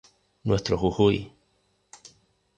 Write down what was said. Nuestro Jujuy